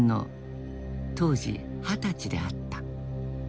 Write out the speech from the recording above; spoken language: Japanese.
当時二十歳であった。